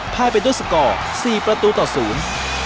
พายไปด้วยสกอร์๔ประตูต่อศูนย์